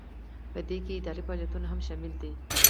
په دې کې اداري فعالیتونه هم شامل دي.